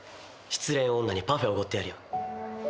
失恋女にパフェおごってやるよ。